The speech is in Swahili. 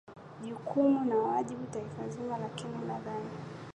jukumu na wajibu wa taifa nzima lakini nadhani